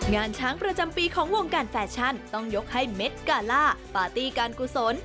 งานช้างประจำปีของวงการแฟชั่นต้องยกให้เม็ดกาล่าปาร์ตี้การกุศล